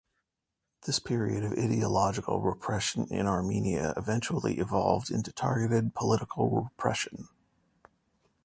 This period of ideological repression in Armenia eventually evolved into targeted political repression.